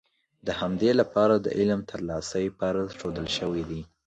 د همدې لپاره د علم ترلاسی فرض ښودل شوی دی.